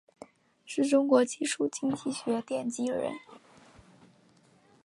是中国技术经济学奠基人。